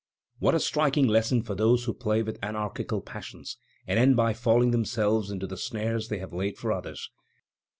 What a striking lesson for those who play with anarchical passions and end by falling themselves into the snares they have laid for others!